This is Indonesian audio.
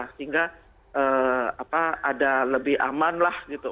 sehingga ada lebih aman lah gitu